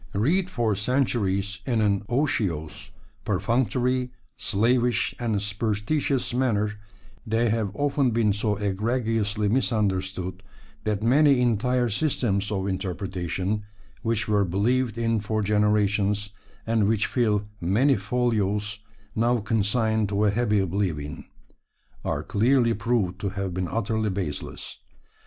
Read for centuries in an otiose, perfunctory, slavish, and superstitious manner, they have often been so egregiously misunderstood that many entire systems of interpretation which were believed in for generations, and which fill many folios, now consigned to a happy oblivion are clearly proved to have been utterly baseless.